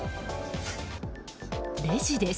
レジです。